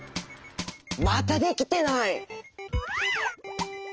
またできてない。